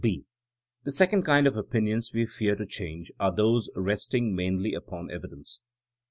(b) The second kind of opinions we fear to change are those resting mainly upon evidence.